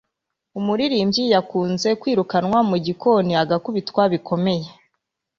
umuririmbyi yakunze kwirukanwa mugikoni agakubitwa bikomeye